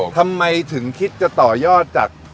ทำไมถึงคิดจะต่อยอดจาก